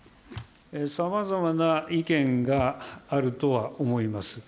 さまざまな意見があるとは思います。